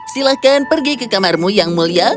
silahkan pergi ke kamarmu yang mulia